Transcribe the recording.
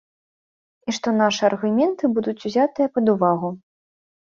І што нашы аргументы будуць узятыя пад увагу.